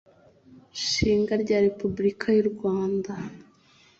Nshinga rya Repubulika y u Rwanda